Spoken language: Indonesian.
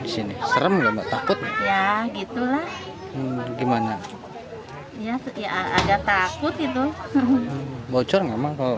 tanah ini pakai jolong